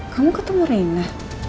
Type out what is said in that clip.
kamu ketemu rena